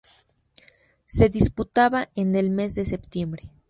Se disputaba en el mes de septiembre.